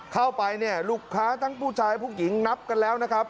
เข้าไปเนี่ยลูกค้าทั้งผู้ชายผู้หญิงนับกันแล้วนะครับ